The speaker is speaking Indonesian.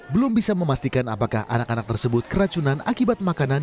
belum bisa memastikan apakah anak anak tersebut keracunan akibat makanan